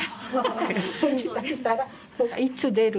いつ出る？